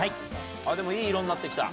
あぁでもいい色になって来た。